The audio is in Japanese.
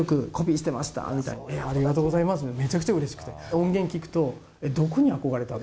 音源聴くとどこに憧れたの？